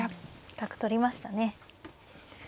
角取りましたね。